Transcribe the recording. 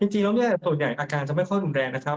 จริงแล้วเนี่ยส่วนใหญ่อาการจะไม่ค่อยรุนแรงนะครับ